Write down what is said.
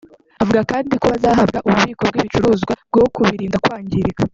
Avuga kandi ko bazahabwa ububiko bw’ibicuruzwa bwo kubirinda kwangirika